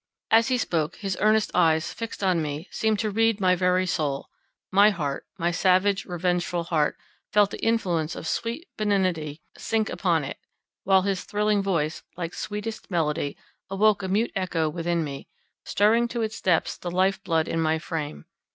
As he spoke, his earnest eyes, fixed on me, seemed to read my very soul: my heart, my savage revengeful heart, felt the influence of sweet benignity sink upon it; while his thrilling voice, like sweetest melody, awoke a mute echo within me, stirring to its depths the life blood in my frame.